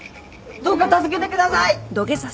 どうか助けてください！